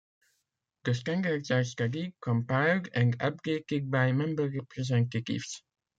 The standards are studied, compiled, and updated by member-representatives.